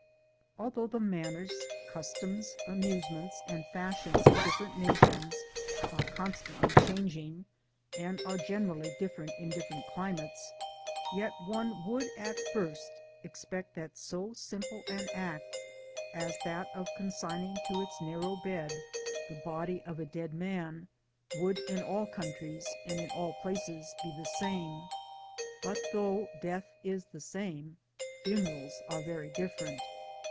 Although the manners, customs, amusements, and fashions of different nations are constantly changing, and ^e generally different in different climates, yet one would at first expect that so simple an act as that of consigning to its narrow bed the body of a dead man would, in all countries and in all places, be the same,— = but though death is the same, funerals are very different.